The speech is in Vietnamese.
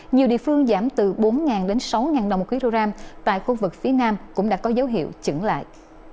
nhiều địa phương giảm từ bốn đến sáu đồng một kg tại khu vực phía nam cũng đã có dấu hiệu chứng lại